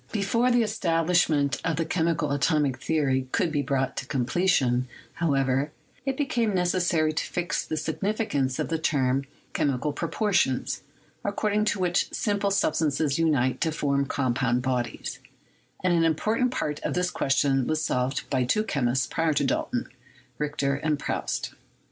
Before the establishment of the chemical atomic theory could be brought to completion, however, it became neces sary to fix the signification of the term "chemical propor tions/' according to which simple substances unite to form compound bodies; and an important part of this question was solved by two chemists prior to Dalton — Richter and Proust.